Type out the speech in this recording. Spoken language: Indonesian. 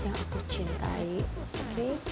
yang aku cintai oke